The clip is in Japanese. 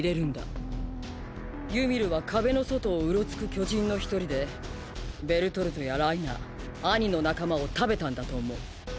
ユミルは壁の外をうろつく巨人の一人でベルトルトやライナーアニの仲間を食べたんだと思う。